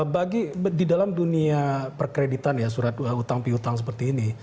bagi di dalam dunia perkreditan ya surat utang piutang seperti ini